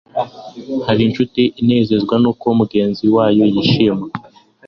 hari incuti inezezwa n'uko mugenzi wayo yishimye